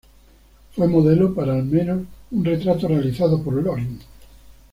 Fue modelo para al menos un retrato realizado por Loring.